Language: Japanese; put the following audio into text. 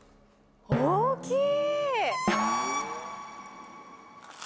大きい！